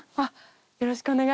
よろしくお願いします。